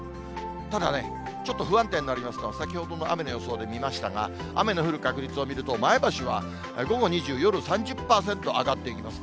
ただね、ちょっと不安定になりますから、先ほどの雨の予想で見ましたが、雨の降る確率を見ると、前橋は午後２０、夜３０％上がっていきます。